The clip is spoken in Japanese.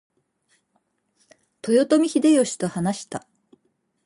豊臣秀吉と話した。